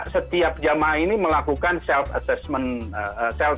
setiap jamaah ini melakukan self assessment